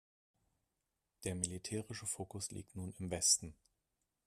Der militärische Fokus liegt nun im Westen.